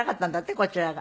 こちらが。